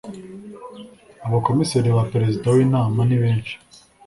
Abakomiseri ba Perezida w’ Inama nibenshi.